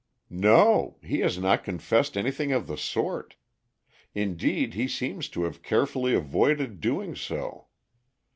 "No; he has not confessed anything of the sort. Indeed he seems to have carefully avoided doing so.